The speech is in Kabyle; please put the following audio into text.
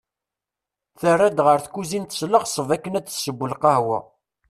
Terra-d ɣer tkuzint s leɣseb akken ad tessu lqahwa.